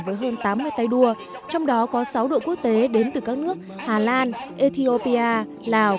với hơn tám mươi tay đua trong đó có sáu đội quốc tế đến từ các nước hà lan ethiopia lào